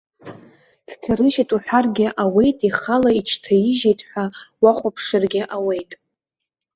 Дҭарыжьит уҳәаргьы ауеит, ихала иҽҭаижьит ҳәа уахәаԥшыргьы ауеит.